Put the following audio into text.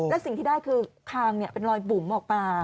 และสิ่งที่ได้คือคางเป็นรอยบุ๋มออกมา